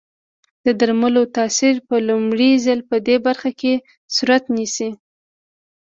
د درملو تاثیر په لومړي ځل پدې برخه کې صورت نیسي.